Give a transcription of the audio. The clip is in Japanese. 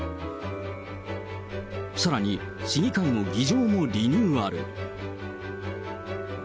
さらに、市議会の議場もリニューアル。